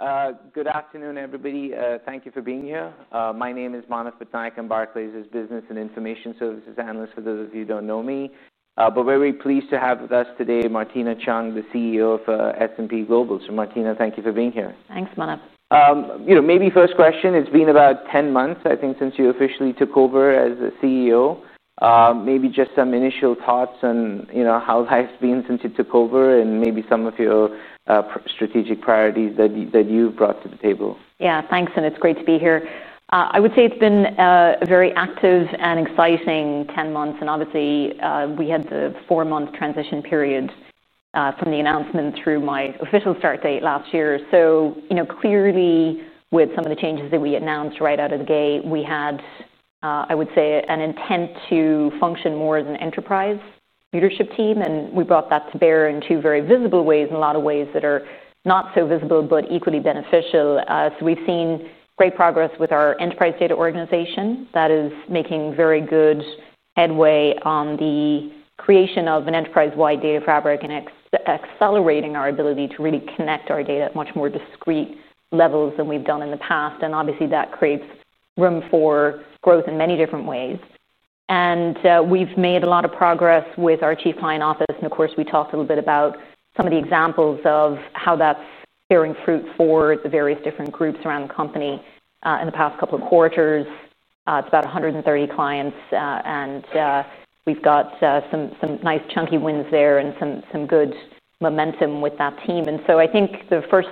All right. Good afternoon, everybody. Thank you for being here. My name is Manav Patnaikan, Barclays' Business and Information Services Analyst, for those of you who don't know me. We're very pleased to have with us today Martina Cheung, the CEO of S&P Global. Martina, thank you for being here. Thanks, Manav. Maybe first question, it's been about 10 months, I think, since you officially took over as the CEO. Maybe just some initial thoughts on how life's been since you took over and maybe some of your strategic priorities that you've brought to the table. Yeah, thanks, and it's great to be here. I would say it's been a very active and exciting 10 months. Obviously, we had the four-month transition period from the announcement through my official start date last year. Clearly, with some of the changes that we announced right out of the gate, we had, I would say, an intent to function more as an enterprise leadership team. We brought that to bear in two very visible ways and a lot of ways that are not so visible but equally beneficial. We've seen great progress with our enterprise data organization that is making very good headway on the creation of an enterprise-wide data fabric and accelerating our ability to really connect our data at much more discrete levels than we've done in the past. That creates room for growth in many different ways. We've made a lot of progress with our Chief Client Office. Of course, we talked a little bit about some of the examples of how that's bearing fruit for the various different groups around the company in the past couple of quarters. It's about 130 clients, and we've got some nice chunky wins there and some good momentum with that team. I think the first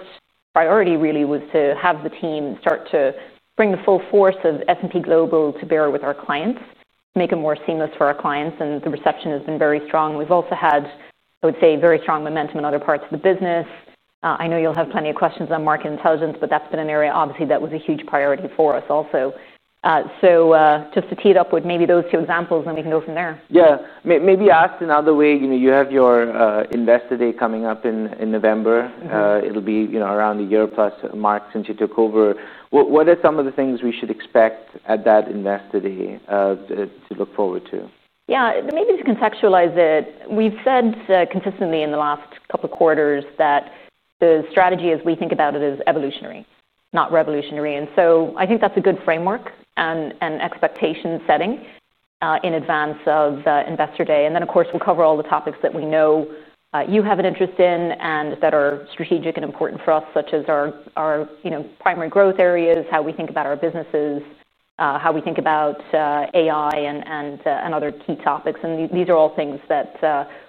priority really was to have the team start to bring the full force of S&P Global to bear with our clients, make it more seamless for our clients. The reception has been very strong. We've also had, I would say, very strong momentum in other parts of the business. I know you'll have plenty of questions on Market Intelligence, but that's been an area, obviously, that was a huge priority for us also. Just to tee it up with maybe those two examples, and then we can go from there. Maybe ask another way. You have your Investor Day coming up in November. It'll be around a year-plus mark since you took over. What are some of the things we should expect at that Investor Day to look forward to? Maybe to contextualize it, we've said consistently in the last couple of quarters that the strategy, as we think about it, is evolutionary, not revolutionary. I think that's a good framework and an expectation setting in advance of Investor Day. Of course, we'll cover all the topics that we know you have an interest in and that are strategic and important for us, such as our primary growth areas, how we think about our businesses, how we think about AI, and other key topics. These are all things that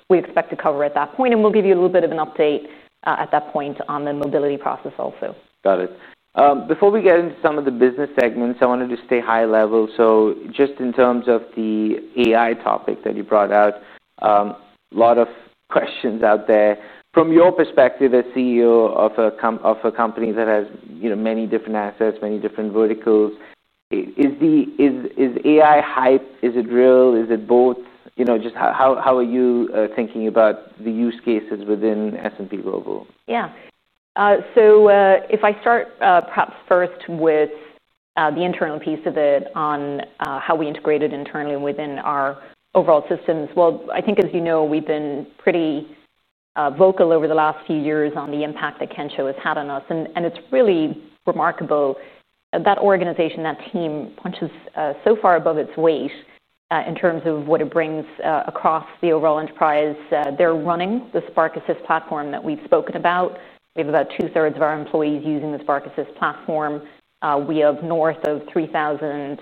we expect to cover at that point. We'll give you a little bit of an update at that point on the mobility process also. Got it. Before we get into some of the business segments, I wanted to stay high level. Just in terms of the AI topic that you brought out, a lot of questions out there. From your perspective as CEO of a company that has, you know, many different assets, many different verticals, is AI hype, is it real, is it both? Just how are you thinking about the use cases within S&P Global? Yeah, if I start, perhaps first with the internal piece of it on how we integrated internally within our overall systems. I think, as you know, we've been pretty vocal over the last few years on the impact that Kensho has had on us. It's really remarkable. That organization, that team, punches so far above its weight in terms of what it brings across the overall enterprise. They're running the S&P Spark Assist platform that we've spoken about. We have about two-thirds of our employees using the Spark Assist platform. We have north of 3,000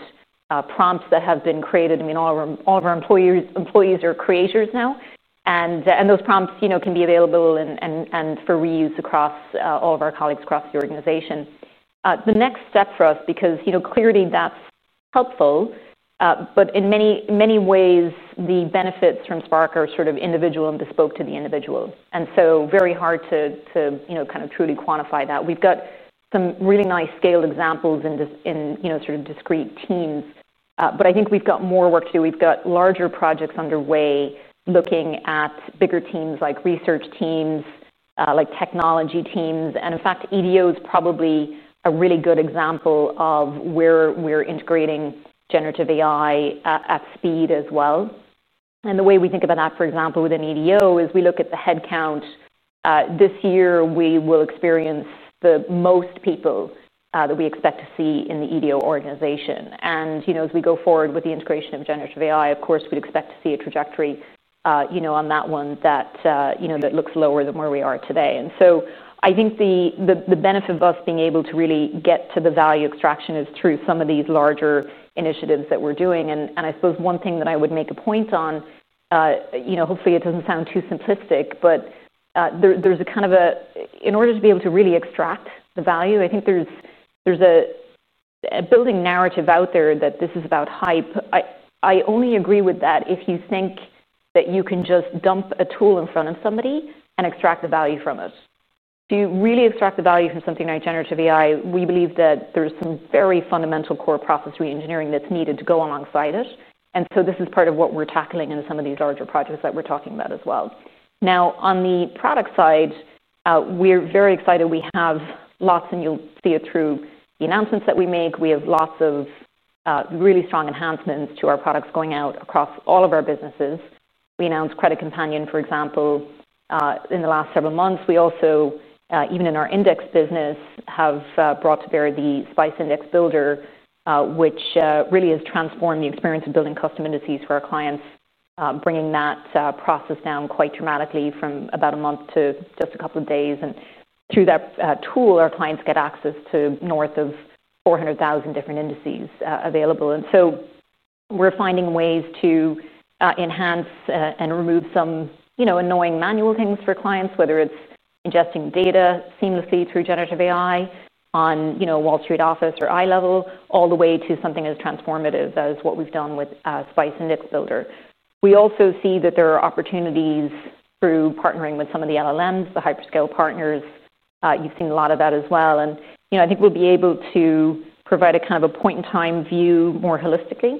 prompts that have been created. All of our employees are creators now. Those prompts can be available for reuse across all of our colleagues across the organization. The next step for us, because clearly that's helpful, in many ways, the benefits from Spark are sort of individual and bespoke to the individual. It's very hard to truly quantify that. We've got some really nice scaled examples in discrete teams. I think we've got more work to do. We've got larger projects underway, looking at bigger teams like research teams, like technology teams. In fact, Enterprise Data Office (EDO) is probably a really good example of where we're integrating generative AI at speed as well. The way we think about that, for example, within EDO is we look at the headcount. This year, we will experience the most people that we expect to see in the EDO organization. As we go forward with the integration of generative AI, of course, we'd expect to see a trajectory on that one that looks lower than where we are today. I think the benefit of us being able to really get to the value extraction is through some of these larger initiatives that we're doing. I suppose one thing that I would make a point on, hopefully it doesn't sound too simplistic, but there's a kind of a, in order to be able to really extract the value, I think there's a building narrative out there that this is about hype. I only agree with that if you think that you can just dump a tool in front of somebody and extract the value from it. To really extract the value from something like generative AI, we believe that there's some very fundamental core process re-engineering that's needed to go alongside it. This is part of what we're tackling in some of these larger projects that we're talking about as well. On the product side, we're very excited. We have lots, and you'll see it through the announcements that we make. We have lots of really strong enhancements to our products going out across all of our businesses. We announced Credit Companion, for example, in the last several months. Even in our index business, we have brought to bear the Spice Index Builder, which really has transformed the experience of building custom indices for our clients, bringing that process down quite dramatically from about a month to just a couple of days. Through that tool, our clients get access to north of 400,000 different indices available. We're finding ways to enhance and remove some, you know, annoying manual things for clients, whether it's ingesting data seamlessly through generative AI on, you know, Wall Street Office or iLevel, all the way to something as transformative as what we've done with Spice Index Builder. We also see that there are opportunities through partnering with some of the LLMs, the hyperscale partners. You've seen a lot of that as well. I think we'll be able to provide a kind of a point-in-time view more holistically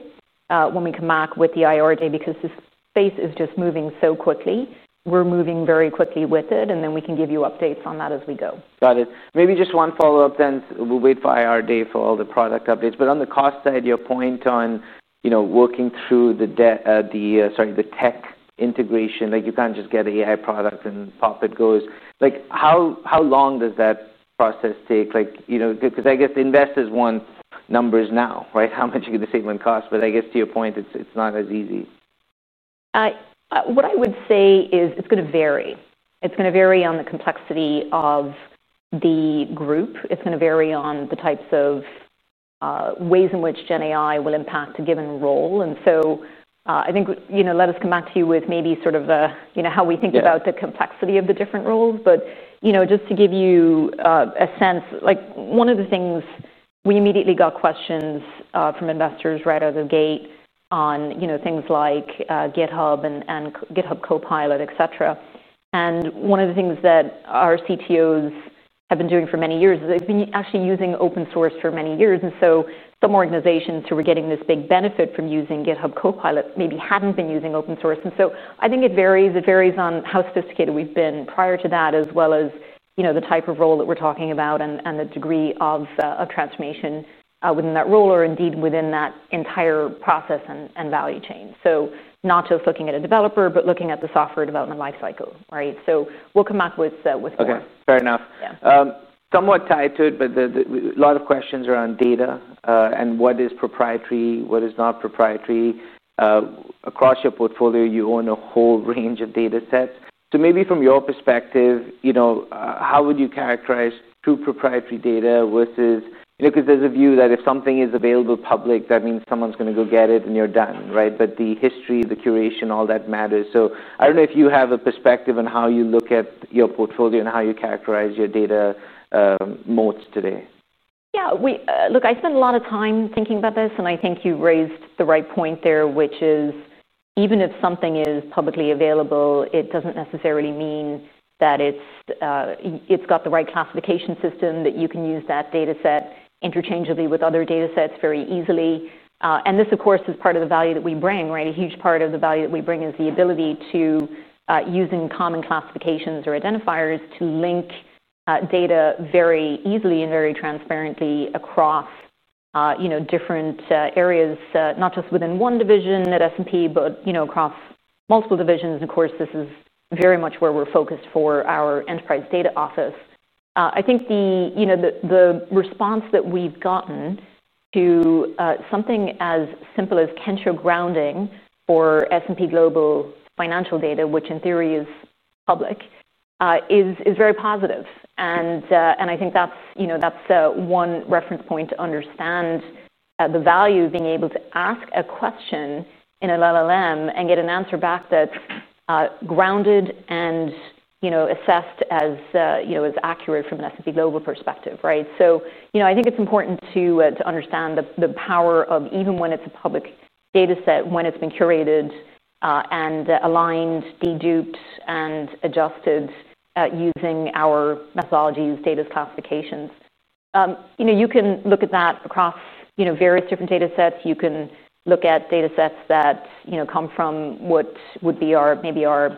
when we come back with the IR Day because this space is just moving so quickly. We're moving very quickly with it, and then we can give you updates on that as we go. Got it. Maybe just one follow-up then. We'll wait for IR Day for all the product updates. On the cost side, your point on working through the debt, the tech integration, like you can't just get an AI product and pop it goes. How long does that process take? I guess the investors want numbers now, right? How much you're going to save on cost? I guess to your point, it's not as easy. What I would say is it's going to vary. It's going to vary on the complexity of the group. It's going to vary on the types of ways in which GenAI will impact a given role. I think, let us come back to you with maybe sort of how we think about the complexity of the different roles. Just to give you a sense, one of the things we immediately got questions from investors right out of the gate on things like GitHub and GitHub Copilot, et cetera. One of the things that our CTOs have been doing for many years is they've been actually using open source for many years. Some organizations who were getting this big benefit from using GitHub Copilot maybe hadn't been using open source. I think it varies. It varies on how sophisticated we've been prior to that, as well as the type of role that we're talking about and the degree of transformation within that role or indeed within that entire process and value chain. Not just looking at a developer, but looking at the software development lifecycle, right? We'll come back with more. Fair enough. Yeah. Somewhat tied to it, but a lot of questions around data, and what is proprietary, what is not proprietary. Across your portfolio, you own a whole range of data sets. Maybe from your perspective, you know, how would you characterize true proprietary data versus, you know, because there's a view that if something is available public, that means someone's going to go get it and you're done, right? The history, the curation, all that matters. I don't know if you have a perspective on how you look at your portfolio and how you characterize your data, modes today. Yeah, we, look, I spent a lot of time thinking about this, and I think you raised the right point there, which is even if something is publicly available, it doesn't necessarily mean that it's got the right classification system that you can use that data set interchangeably with other data sets very easily. This, of course, is part of the value that we bring, right? A huge part of the value that we bring is the ability to use common classifications or identifiers to link data very easily and very transparently across different areas, not just within one division at S&P Global, but across multiple divisions. This is very much where we're focused for our Enterprise Data Office. I think the response that we've gotten to something as simple as Kensho grounding for S&P Global financial data, which in theory is public, is very positive. I think that's one reference point to understand the value of being able to ask a question in an LLM and get an answer back that is grounded and assessed as accurate from an S&P Global perspective, right? I think it's important to understand the power of even when it's a public data set, when it's been curated and aligned, deduped, and adjusted using our methodologies, data's classifications. You can look at that across various different data sets. You can look at data sets that come from what would be our, maybe our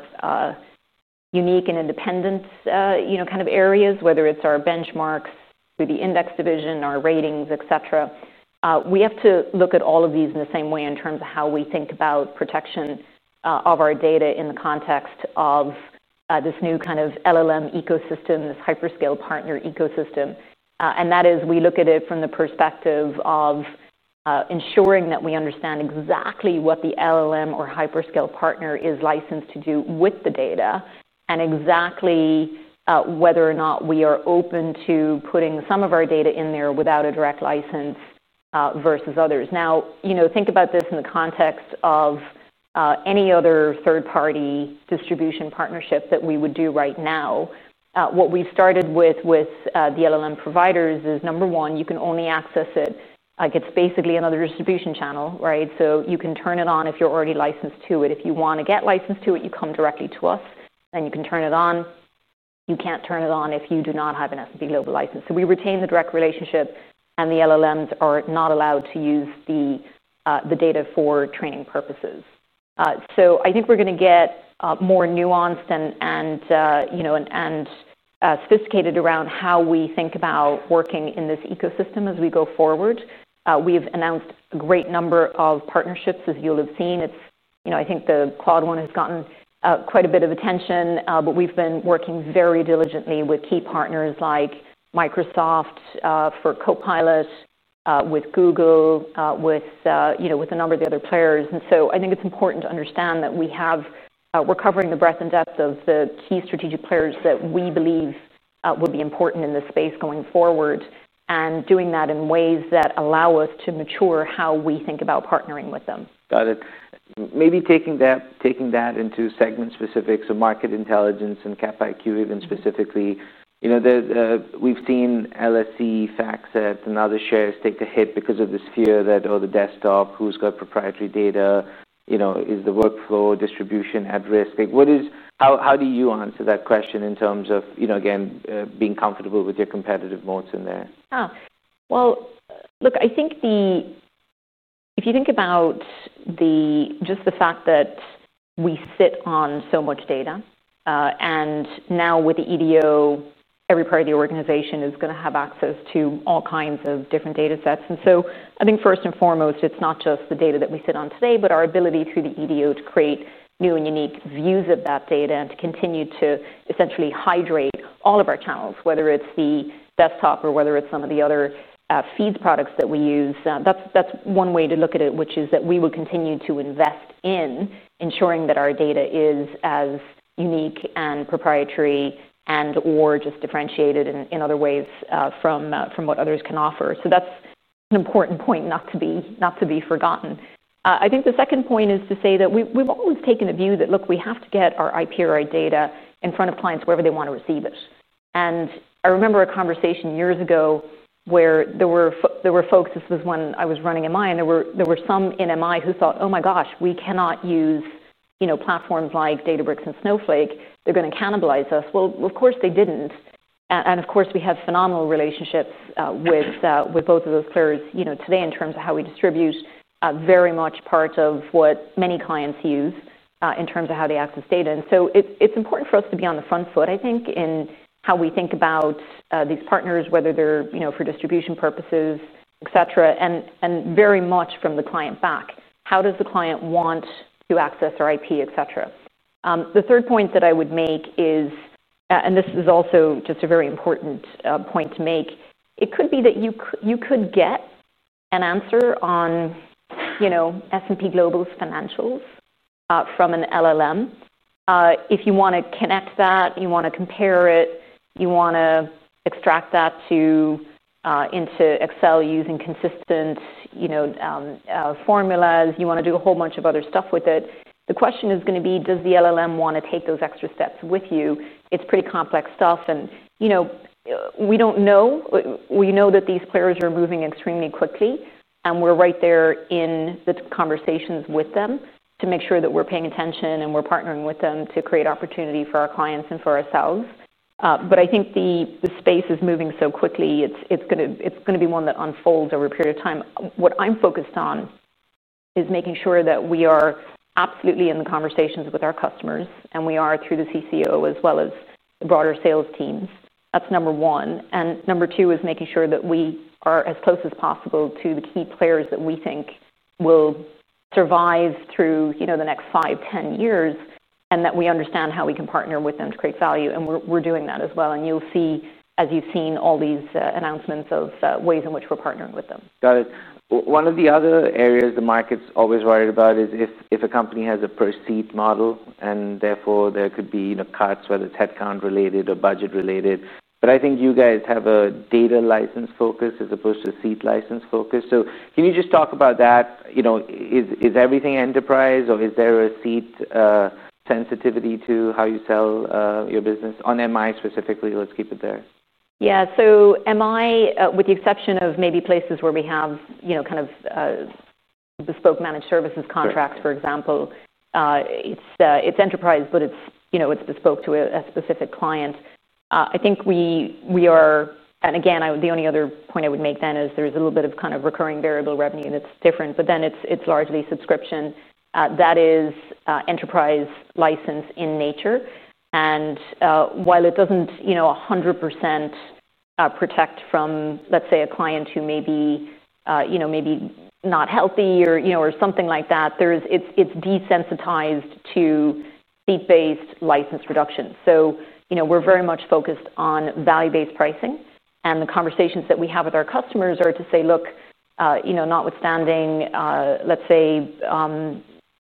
unique and independent kind of areas, whether it's our benchmarks, maybe index division, our ratings, et cetera. We have to look at all of these in the same way in terms of how we think about protection of our data in the context of this new kind of LLM ecosystem, this hyperscale partner ecosystem. That is, we look at it from the perspective of ensuring that we understand exactly what the LLM or hyperscale partner is licensed to do with the data and exactly whether or not we are open to putting some of our data in there without a direct license, versus others. Now, think about this in the context of any other third-party distribution partnership that we would do right now. What we've started with, with the LLM providers is, number one, you can only access it. It's basically another distribution channel, right? You can turn it on if you're already licensed to it. If you want to get licensed to it, you come directly to us and you can turn it on. You can't turn it on if you do not have an S&P Global license. We retain the direct relationship and the LLMs are not allowed to use the data for training purposes. I think we're going to get more nuanced and sophisticated around how we think about working in this ecosystem as we go forward. We've announced a great number of partnerships, as you'll have seen. I think the cloud one has gotten quite a bit of attention, but we've been working very diligently with key partners like Microsoft for Copilot, with Google, with a number of the other players. I think it's important to understand that we're covering the breadth and depth of the key strategic players that we believe will be important in this space going forward and doing that in ways that allow us to mature how we think about partnering with them. Got it. Maybe taking that into segment specifics of market intelligence and Cap IQ even specifically. We've seen LSEG, FactSet, and other shares take the hit because of this fear that, oh, the desktop, who's got proprietary data, is the workflow distribution at risk? How do you answer that question in terms of being comfortable with your competitive moats in there? I think if you think about just the fact that we sit on so much data, and now with the Enterprise Data Office (EDO), every part of the organization is going to have access to all kinds of different data sets. I think first and foremost, it's not just the data that we sit on today, but our ability through the EDO to create new and unique views of that data and to continue to essentially hydrate all of our channels, whether it's the desktop or some of the other feeds products that we use. That's one way to look at it, which is that we will continue to invest in ensuring that our data is as unique and proprietary and/or just differentiated in other ways from what others can offer. That's an important point not to be forgotten. I think the second point is to say that we've always taken a view that we have to get our IP or our data in front of clients wherever they want to receive it. I remember a conversation years ago when I was running in mind, there were some in MI who thought, oh my gosh, we cannot use platforms like Databricks and Snowflake, they're going to cannibalize us. Of course they didn't, and of course we have phenomenal relationships with both of those players. Today, in terms of how we distribute, very much part of what many clients use in terms of how they access data. It's important for us to be on the front foot in how we think about these partners, whether they're for distribution purposes, etc., and very much from the client back. How does the client want to access our IP, etc.? The third point that I would make is, and this is also just a very important point to make, it could be that you could get an answer on S&P Global's financials from an LLM. If you want to connect that, you want to compare it, you want to extract that into Excel using consistent formulas, you want to do a whole bunch of other stuff with it. The question is going to be, does the LLM want to take those extra steps with you? It's pretty complex stuff. We don't know. We know that these players are moving extremely quickly, and we're right there in the conversations with them to make sure that we're paying attention and we're partnering with them to create opportunity for our clients and for ourselves. I think the space is moving so quickly. It's going to be one that unfolds over a period of time. What I'm focused on is making sure that we are absolutely in the conversations with our customers, and we are through the CCO as well as the broader sales teams. That's number one. Number two is making sure that we are as close as possible to the key players that we think will survive through the next five, ten years, and that we understand how we can partner with them to create value. We're doing that as well. You'll see, as you've seen, all these announcements of ways in which we're partnering with them. Got it. One of the other areas the market's always worried about is if a company has a per seat model, and therefore there could be, you know, cuts, whether it's headcount related or budget related. I think you guys have a data license focus as opposed to seat license focus. Can you just talk about that? Is everything enterprise or is there a seat sensitivity to how you sell your business on MI specifically? Let's keep it there. Yeah, so MI, with the exception of maybe places where we have kind of bespoke managed services contracts, for example, it's enterprise, but it's bespoke to a specific client. I think we are, and again, the only other point I would make then is there's a little bit of kind of recurring variable revenue that's different, but then it's largely subscription that is enterprise license in nature. While it doesn't a hundred percent protect from, let's say, a client who may be not healthy or something like that, it's desensitized to seat-based license reduction. We're very much focused on value-based pricing. The conversations that we have with our customers are to say, look, notwithstanding, let's say,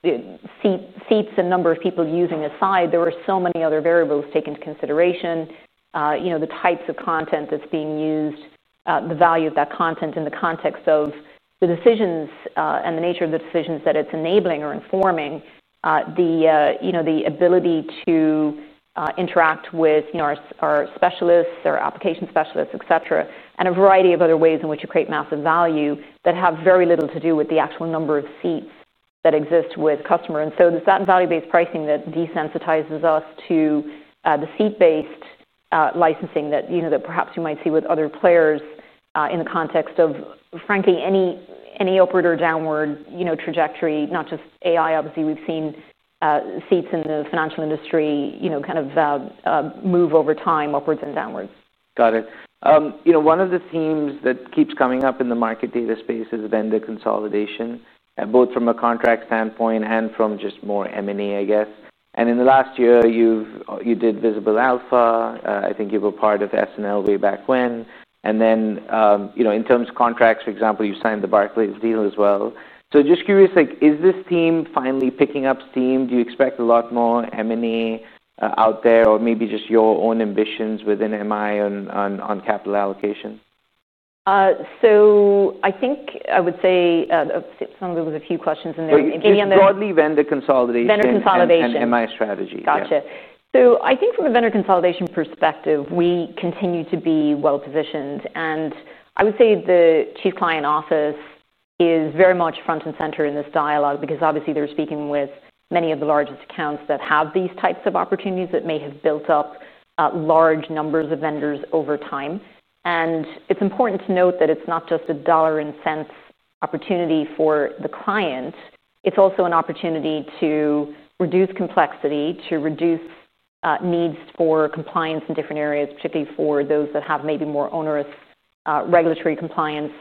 seats and number of people using aside, there were so many other variables taken into consideration. The types of content that's being used, the value of that content in the context of the decisions, and the nature of the decisions that it's enabling or informing, the ability to interact with our specialists, our application specialists, et cetera, and a variety of other ways in which you create massive value that have very little to do with the actual number of seats that exist with customers. The value-based pricing that desensitizes us to the seat-based licensing that perhaps you might see with other players, in the context of, frankly, any upward or downward trajectory, not just AI, obviously, we've seen seats in the financial industry move over time upwards and downwards. Got it. You know, one of the themes that keeps coming up in the market data space has been the consolidation, both from a contract standpoint and from just more M&A, I guess. In the last year, you did Visible Alpha. I think you were part of SNL way back when. In terms of contracts, for example, you signed the Barclays deal as well. Just curious, is this theme finally picking up steam? Do you expect a lot more M&A out there, or maybe just your own ambitions within MI on capital allocation? I think I would say, some of it was a few questions in there. It's broadly vendor consolidation. Vendor consolidation. MI strategy. Gotcha. I think from a vendor consolidation perspective, we continue to be well-visioned. I would say the Chief Client Office is very much front and center in this dialogue because obviously they're speaking with many of the largest accounts that have these types of opportunities that may have built up large numbers of vendors over time. It's important to note that it's not just a dollars and cents opportunity for the client. It's also an opportunity to reduce complexity, to reduce needs for compliance in different areas, particularly for those that have maybe more onerous regulatory compliance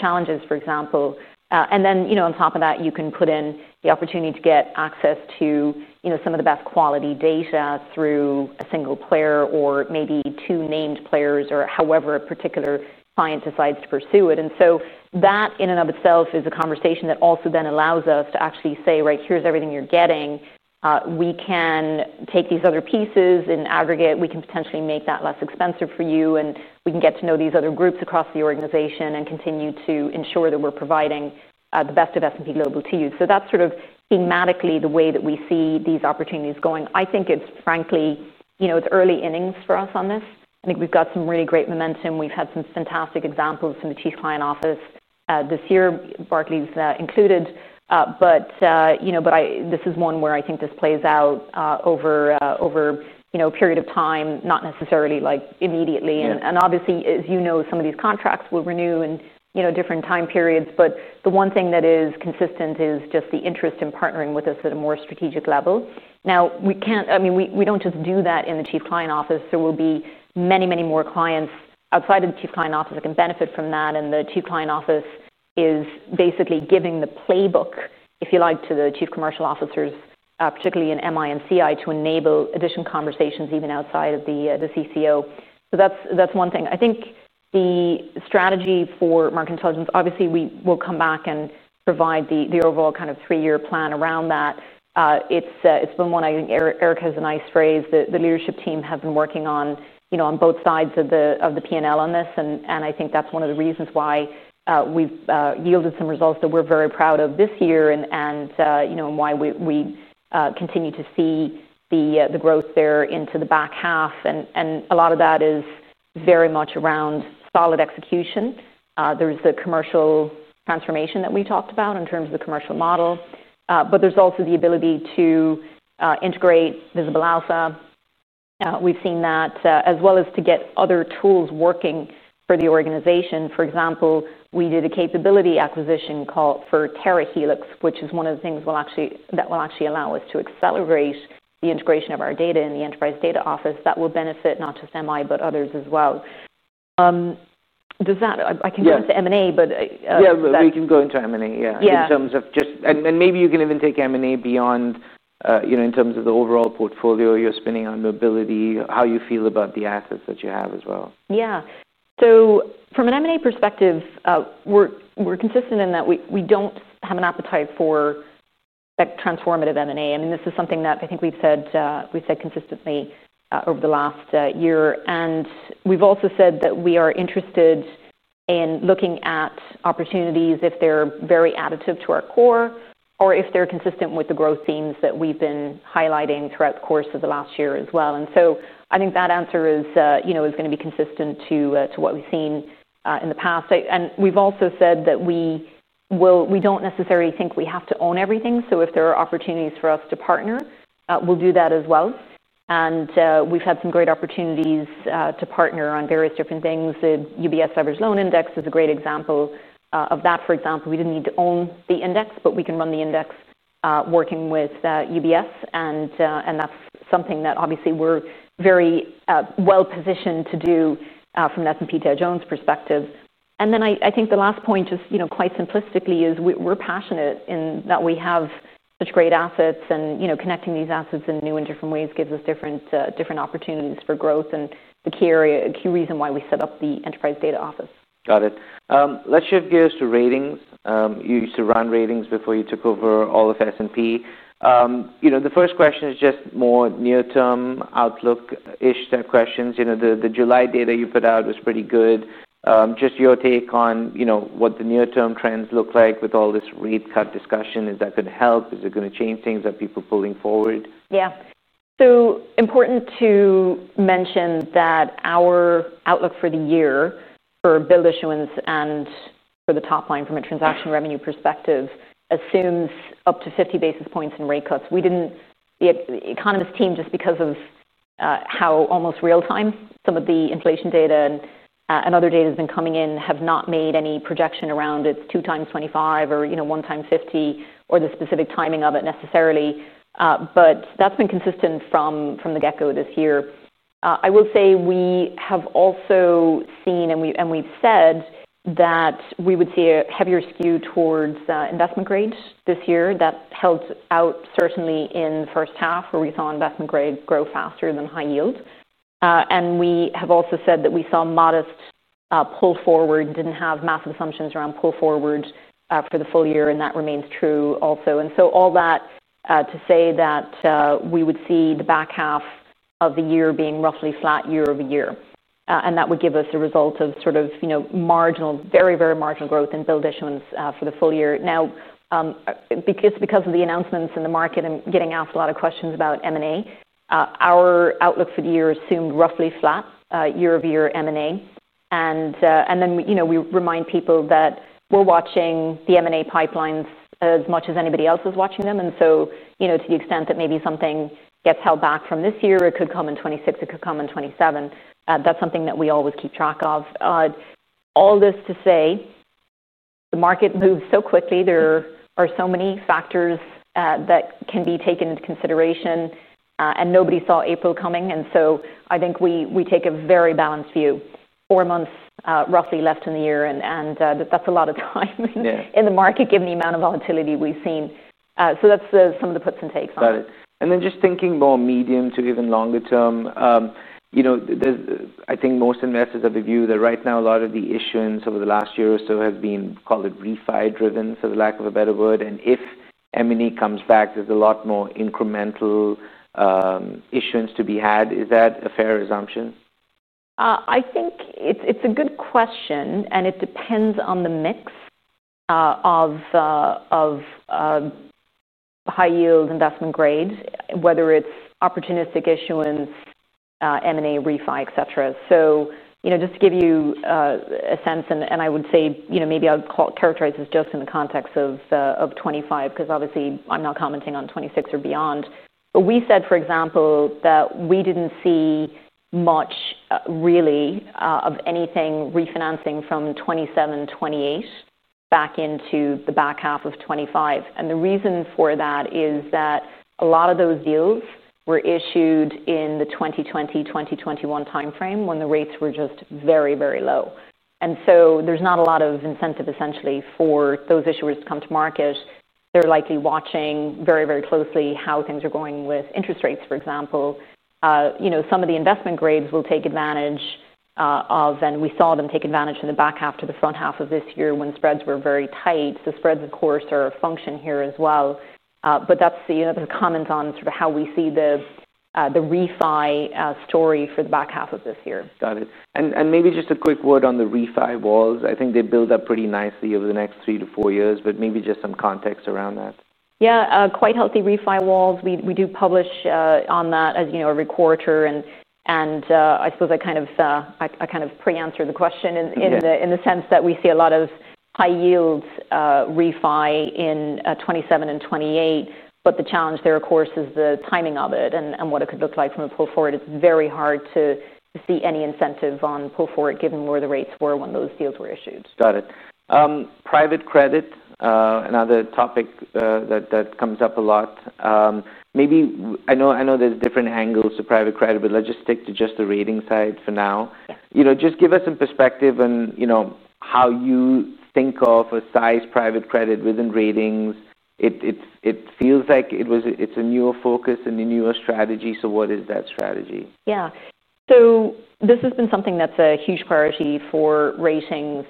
challenges, for example. On top of that, you can put in the opportunity to get access to some of the best quality data through a single player or maybe two named players or however a particular client decides to pursue it. That in and of itself is a conversation that also then allows us to actually say, right, here's everything you're getting. We can take these other pieces in aggregate. We can potentially make that less expensive for you. We can get to know these other groups across the organization and continue to ensure that we're providing the best of S&P Global to you. That's sort of thematically the way that we see these opportunities going. I think it's, frankly, early innings for us on this. I think we've got some really great momentum. We've had some fantastic examples from the Chief Client Office this year, Barclays included. I think this plays out over a period of time, not necessarily immediately. Obviously, as you know, some of these contracts will renew in different time periods. The one thing that is consistent is just the interest in partnering with us at a more strategic level. We can't, I mean, we don't just do that in the Chief Client Office. There will be many, many more clients outside of the Chief Client Office that can benefit from that. The Chief Client Office is basically giving the playbook, if you like, to the Chief Commercial Officers, particularly in MI and CI, to enable additional conversations even outside of the CCO. That's one thing. I think the strategy for Market Intelligence, obviously, we will come back and provide the overall kind of three-year plan around that. It's been one, I think Erica has a nice phrase that the leadership team has been working on, you know, on both sides of the P&L on this. I think that's one of the reasons why we've yielded some results that we're very proud of this year, and why we continue to see the growth there into the back half. A lot of that is very much around solid execution. There's the commercial transformation that we talked about in terms of the commercial model, but there's also the ability to integrate Visible Alpha. We've seen that, as well as to get other tools working for the organization. For example, we did a capability acquisition call for Terahelix, which is one of the things that will actually allow us to accelerate the integration of our data in the Enterprise Data Office that will benefit not just MI, but others as well. Does that, I can go into M&A, but. Yeah, we can go into M&A. In terms of just, and maybe you can even take M&A beyond, you know, in terms of the overall portfolio you're spending on mobility, how you feel about the assets that you have as well. Yeah. From an M&A perspective, we're consistent in that we don't have an appetite for transformative M&A. I mean, this is something that I think we've said consistently over the last year. We've also said that we are interested in looking at opportunities if they're very additive to our core or if they're consistent with the growth themes that we've been highlighting throughout the course of the last year as well. I think that answer is going to be consistent to what we've seen in the past. We've also said that we don't necessarily think we have to own everything. If there are opportunities for us to partner, we'll do that as well. We've had some great opportunities to partner on various different things. The UBS Leveraged Loan Index is a great example of that. For example, we didn't need to own the index, but we can run the index, working with UBS. That's something that obviously we're very well positioned to do from the S&P Dow Jones perspective. I think the last point, quite simplistically, is we're passionate in that we have such great assets and connecting these assets in new and different ways gives us different opportunities for growth and the key reason why we set up the Enterprise Data Office. Got it. Let's shift gears to ratings. You used to run ratings before you took over all of S&P Global. The first question is just more near-term outlook-ish type questions. The July data you put out was pretty good. Just your take on what the near-term trends look like with all this rate cut discussion. Is that going to help? Is it going to change things? Are people pulling forward? Yeah. Important to mention that our outlook for the year for bill issuance and for the top line from a transaction revenue perspective assumes up to 50 basis points in rate cuts. We didn't, the economist team, just because of how almost real-time some of the inflation data and other data has been coming in, have not made any projection around it's two times 25, or one time 50, or the specific timing of it necessarily. That's been consistent from the get-go this year. I will say we have also seen, and we've said that we would see a heavier skew towards investment grade this year. That held out certainly in the first half where we saw investment grade grow faster than high yield. We have also said that we saw a modest pull forward and didn't have massive assumptions around pull forward for the full year, and that remains true also. All that to say that we would see the back half of the year being roughly flat year over year, and that would give us a result of sort of marginal, very, very marginal growth in bill issuance for the full year. Now, because of the announcements in the market and getting asked a lot of questions about M&A, our outlook for the year assumed roughly flat year over year M&A. We remind people that we're watching the M&A pipelines as much as anybody else is watching them. To the extent that maybe something gets held back from this year, it could come in 2026, it could come in 2027. That's something that we always keep track of. All this to say, the market moves so quickly, there are so many factors that can be taken into consideration, and nobody saw April coming. I think we take a very balanced view. Four months, roughly left in the year, and that's a lot of time in the market given the amount of volatility we've seen. That's some of the puts and takes on it. Got it. Just thinking more medium to even longer term, I think most investors have a view that right now a lot of the issuance over the last year or so has been, call it, refi driven, for the lack of a better word. If M&A comes back, there's a lot more incremental issuance to be had. Is that a fair assumption? I think it's a good question, and it depends on the mix of high yield, investment grade, whether it's opportunistic issuance, M&A, refi, et cetera. Just to give you a sense, and I would say maybe I'll characterize this just in the context of 2025, because obviously I'm not commenting on 2026 or beyond. We said, for example, that we didn't see much, really, of anything refinancing from 2027, 2028 back into the back half of 2025. The reason for that is that a lot of those deals were issued in the 2020, 2021 timeframe when the rates were just very, very low. There's not a lot of incentive essentially for those issuers to come to market. They're likely watching very, very closely how things are going with interest rates, for example. Some of the investment grades will take advantage of, and we saw them take advantage in the back half to the front half of this year when spreads were very tight. Spreads, of course, are a function here as well. That's the comment on sort of how we see the refi story for the back half of this year. Got it. Maybe just a quick word on the refi walls. I think they build up pretty nicely over the next three to four years, but maybe just some context around that. Yeah, quite healthy refi walls. We do publish on that, as you know, every quarter. I suppose I kind of pre-answer the question in the sense that we see a lot of high yields refi in 2027 and 2028. The challenge there, of course, is the timing of it and what it could look like from a pull forward. It's very hard to see any incentive on pull forward given where the rates were when those deals were issued. Got it. Private credit, another topic that comes up a lot. Maybe I know, I know there's different angles to private credit, but let's just stick to just the rating side for now. You know, just give us some perspective on, you know, how you think of a size private credit within ratings. It feels like it was, it's a newer focus and a newer strategy. What is that strategy? Yeah. This has been something that's a huge priority for ratings,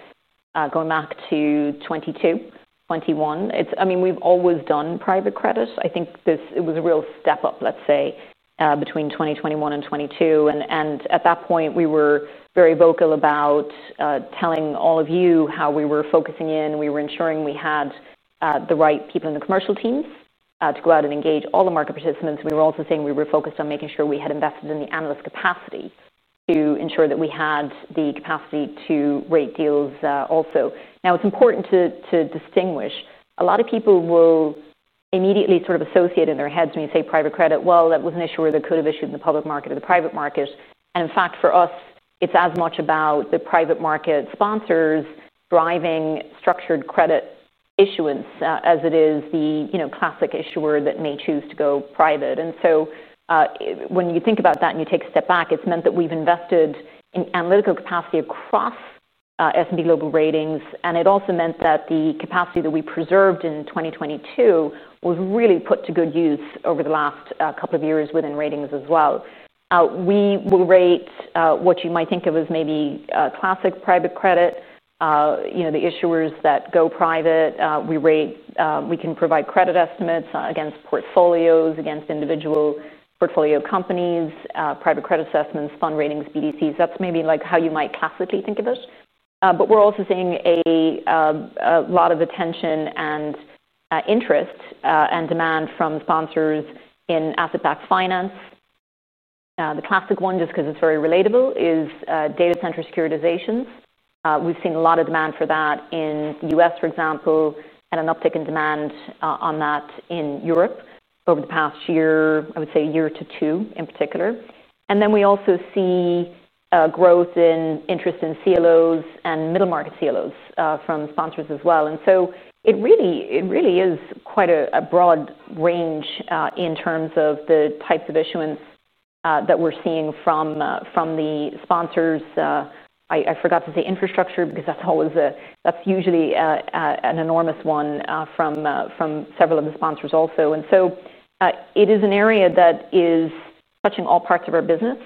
going back to 2022, 2021. We've always done private credit. I think it was a real step up, let's say, between 2021 and 2022. At that point, we were very vocal about telling all of you how we were focusing in. We were ensuring we had the right people in the commercial teams to go out and engage all the market participants. We were also saying we were focused on making sure we had invested in the analyst capacity to ensure that we had the capacity to rate deals also. Now, it's important to distinguish. A lot of people will immediately sort of associate in their heads when you say private credit, well, that was an issue where they could have issued in the public market or the private market. In fact, for us, it's as much about the private market sponsors driving structured credit issuance as it is the classic issuer that may choose to go private. When you think about that and you take a step back, it's meant that we've invested in analytical capacity across S&P Global Ratings. It also meant that the capacity that we preserved in 2022 was really put to good use over the last couple of years within ratings as well. We will rate what you might think of as maybe classic private credit, the issuers that go private. We rate, we can provide credit estimates against portfolios, against individual portfolio companies, private credit assessments, fund ratings, BDCs. That's maybe like how you might classically think of it. We're also seeing a lot of attention and interest and demand from sponsors in asset-backed finance. The classic one, just because it's very relatable, is data center securitizations. We've seen a lot of demand for that in the U.S., for example, and an uptick in demand on that in Europe over the past year, I would say a year to two in particular. We also see growth in interest in CLOs and middle market CLOs from sponsors as well. It really is quite a broad range in terms of the types of issuance that we're seeing from the sponsors. I forgot to say infrastructure because that's usually an enormous one from several of the sponsors also. It is an area that is touching all parts of our business.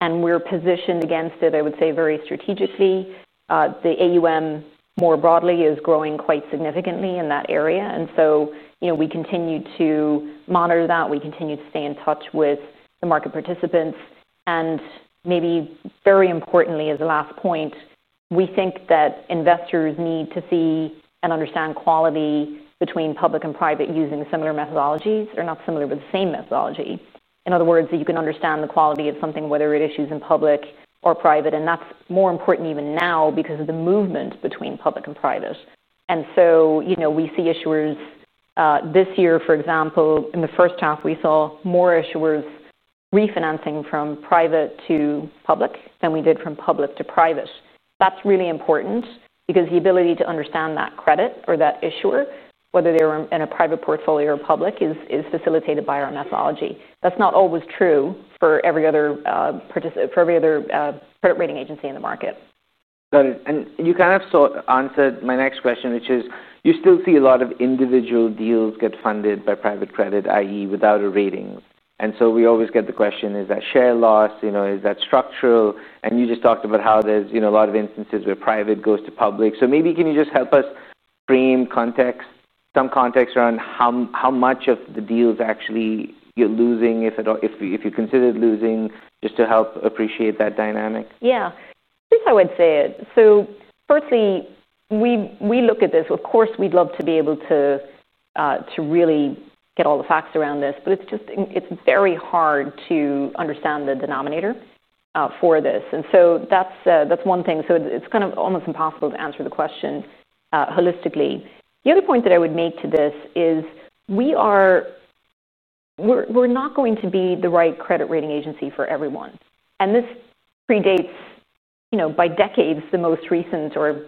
We're positioned against it, I would say, very strategically. The AUM more broadly is growing quite significantly in that area. We continue to monitor that. We continue to stay in touch with the market participants. Very importantly, as a last point, we think that investors need to see and understand quality between public and private using the same methodology. In other words, you can understand the quality of something, whether it issues in public or private. That is more important even now because of the movement between public and private. We see issuers this year, for example, in the first half, we saw more issuers refinancing from private to public than we did from public to private. That is really important because the ability to understand that credit or that issuer, whether they're in a private portfolio or public, is facilitated by our methodology. That is not always true for every other credit rating agency in the market. Got it. You kind of answered my next question, which is you still see a lot of individual deals get funded by private credit, i.e., without a rating. We always get the question, is that share loss? Is that structural? You just talked about how there's a lot of instances where private goes to public. Maybe can you just help us frame some context around how much of the deals actually you're losing, if at all, if you considered losing, just to help appreciate that dynamic? I guess I would say it. Firstly, we look at this. Of course, we'd love to be able to really get all the facts around this, but it's just very hard to understand the denominator for this. That's one thing. It's kind of almost impossible to answer the question holistically. The other point that I would make to this is we are not going to be the right credit rating agency for everyone. This predates, you know, by decades, the most recent, or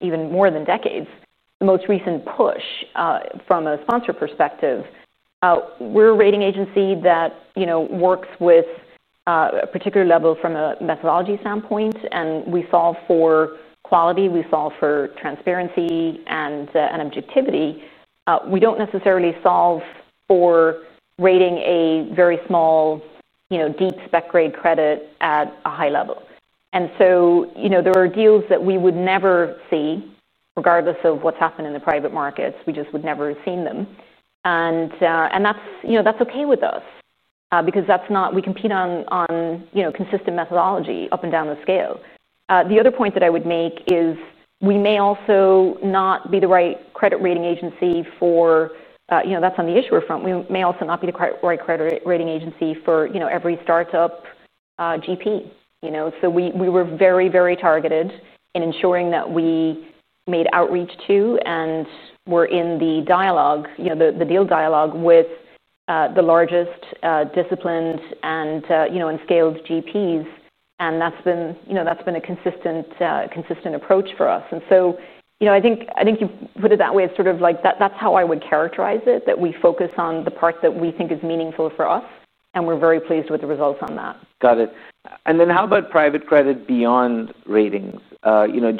even more than decades, the most recent push from a sponsor perspective. We're a rating agency that works with a particular level from a methodology standpoint. We solve for quality, we solve for transparency and objectivity. We don't necessarily solve for rating a very small, deep spec grade credit at a high level. There are deals that we would never see, regardless of what's happened in the private markets. We just would never have seen them. That's okay with us, because that's not, we compete on consistent methodology up and down the scale. The other point that I would make is we may also not be the right credit rating agency for, you know, that's on the issuer front. We may also not be the right credit rating agency for every startup, GP. We were very, very targeted in ensuring that we made outreach to and were in the dialogue, the deal dialogue with the largest, disciplined and scaled GPs. That's been a consistent approach for us. I think you've put it that way as sort of like that, that's how I would characterize it, that we focus on the part that we think is meaningful for us. We're very pleased with the results on that. Got it. How about private credit beyond ratings?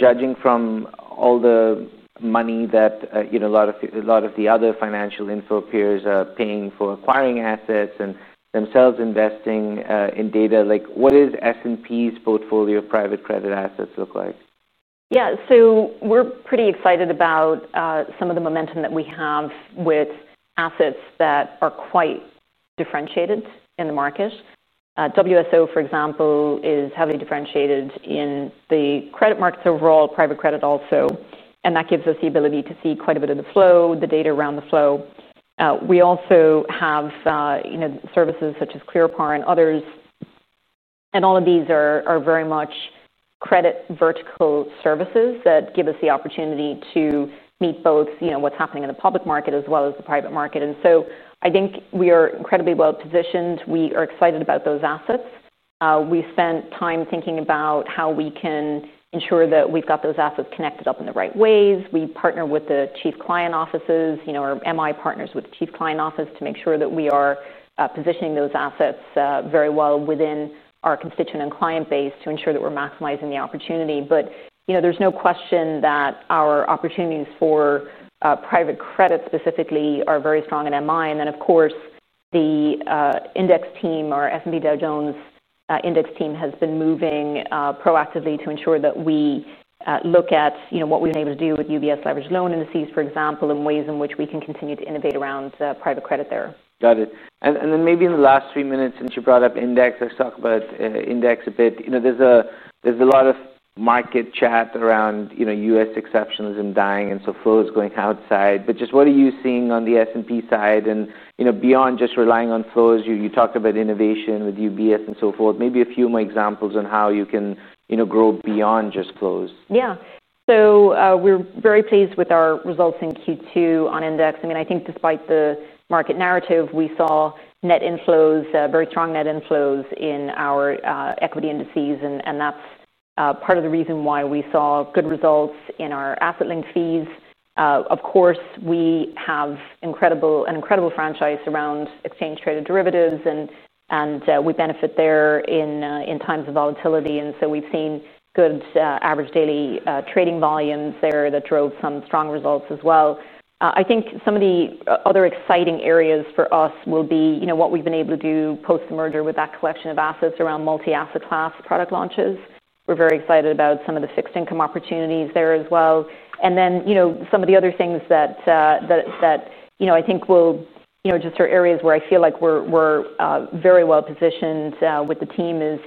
Judging from all the money that a lot of the other financial info peers are paying for acquiring assets and themselves investing in data, what does S&P Global's portfolio of private credit assets look like? Yeah, so we're pretty excited about some of the momentum that we have with assets that are quite differentiated in the market. WSO, for example, is heavily differentiated in the credit markets overall, private credit also. That gives us the ability to see quite a bit of the flow, the data around the flow. We also have services such as ClearPaw and others. All of these are very much credit vertical services that give us the opportunity to meet both what's happening in the public market as well as the private market. I think we are incredibly well positioned. We are excited about those assets. We spent time thinking about how we can ensure that we've got those assets connected up in the right ways. We partner with the Chief Client Offices, our MI partners with the Chief Client Office to make sure that we are positioning those assets very well within our constituent and client base to ensure that we're maximizing the opportunity. There's no question that our opportunities for private credit specifically are very strong in MI. Of course, the index team, our S&P Dow Jones index team, has been moving proactively to ensure that we look at what we've been able to do with UBS leveraged loan indices, for example, and ways in which we can continue to innovate around private credit there. Got it. Maybe in the last three minutes, since you brought up index, let's talk about index a bit. You know, there's a lot of market chat around U.S. exceptions and dying and so forth going outside. Just what are you seeing on the S&P side? You know, beyond just relying on flows, you talked about innovation with UBS and so forth. Maybe a few more examples on how you can grow beyond just flows. Yeah. We're very pleased with our results in Q2 on index. I think despite the market narrative, we saw net inflows, very strong net inflows in our equity indices. That's part of the reason why we saw good results in our asset-linked fees. Of course, we have an incredible franchise around exchange-traded derivatives, and we benefit there in times of volatility. We've seen good average daily trading volumes there that drove some strong results as well. I think some of the other exciting areas for us will be what we've been able to do post the merger with that collection of assets around multi-asset class product launches. We're very excited about some of the fixed income opportunities there as well. Some of the other things that I think are areas where I feel like we're very well positioned with the team is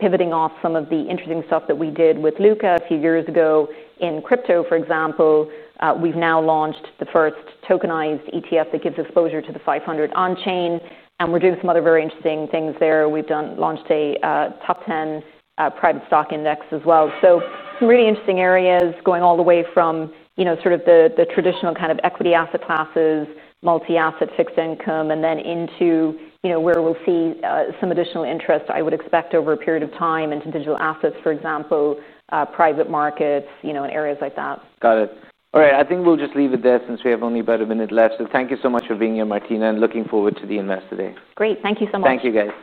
pivoting off some of the interesting stuff that we did with Luca a few years ago in crypto, for example. We've now launched the first S&P 500 ETF (tokenized) that gives exposure to the 500 on chain, and we're doing some other very interesting things there. We've launched a Top 10 Private Stock Index as well. Some really interesting areas going all the way from the traditional kind of equity asset classes, multi-asset fixed income, and then into where we'll see some additional interest, I would expect over a period of time, into digital assets, for example, private markets, and areas like that. Got it. All right. I think we'll just leave it there since we have only about a minute left. Thank you so much for being here, Martina, and looking forward to the invest today. Great. Thank you so much. Thank you, guys.